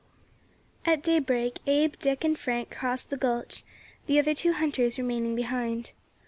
At daybreak, Abe, Dick, and Frank crossed the gulch, the other two hunters remaining behind.